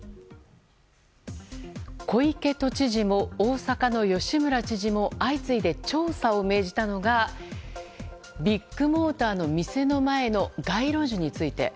小池都知事も大阪の吉村知事も相次いで調査を命じたのがビッグモーターの店の前の街路樹について。